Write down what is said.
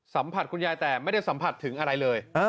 คุณยายแต่ไม่ได้สัมผัสถึงอะไรเลย